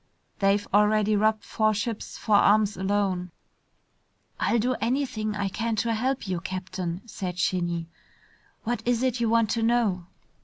They've already robbed four ships for arms alone." "I'll do anything I can to help you, Captain," said Shinny. "What is it you want to know?"